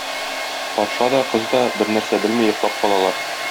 Патша да, кыз да бернәрсә белми йоклап калалар.